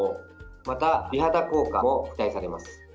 また、美肌効果も期待されます。